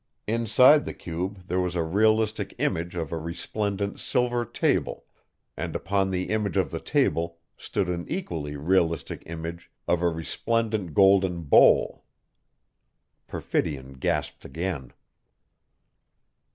Inside the cube there was a realistic image of a resplendent silver table, and upon the image of the table stood an equally realistic image of a resplendent golden bowl. Perfidion gasped again.